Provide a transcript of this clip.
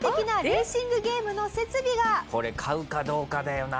これ買うかどうかだよな。